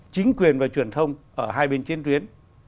chính quyền và truyền thông ở hai bên chiến tuyến